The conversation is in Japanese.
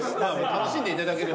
楽しんでいただければ。